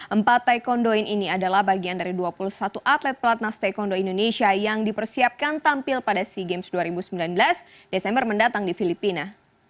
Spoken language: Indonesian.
empat taekwondo ini adalah bagian dari dua puluh satu atlet pelatnas taekwondo indonesia yang dipersiapkan tampil pada sea games dua ribu sembilan belas desember mendatang di filipina